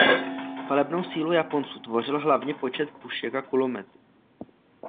Palebnou sílu Japonců tvořil hlavně počet pušek a kulomety.